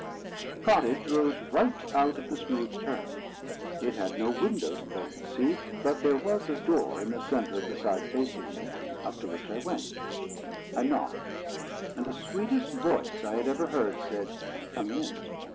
The cottage rose right out of the smooth turf. It had no windows that I could see; but there was a door in the centre of the side facing me, up to which I went. I knocked, and the sweetest voice I had ever heard said, "Come in."